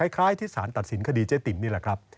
คล้ายที่สารตัดสินคดีเจ๊ติ๋มนี่แหละครับ